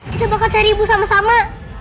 kita bakal cari ibu sama sama